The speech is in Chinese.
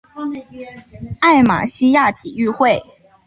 艾马希亚体育会。